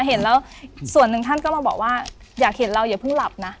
เห็นแล้วส่วนหนึ่งท่านก็มาบอกว่าอยากเห็นเราอย่าเพิ่งหลับนะ